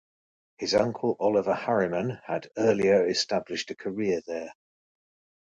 His uncle Oliver Harriman had earlier established a career there.